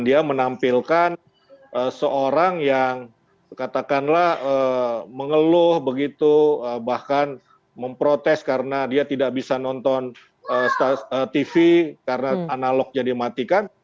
saya tampilkan seorang yang katakanlah mengeluh begitu bahkan memprotes karena dia tidak bisa nonton tv karena analog jadi matikan